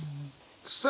さあ